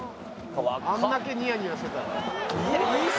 あれだけニヤニヤしてたら。